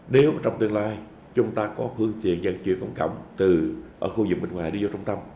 nếu trong tương lai chúng ta có hướng tiền dân chuyển công cộng từ khu vực bên ngoài đi vô trung tâm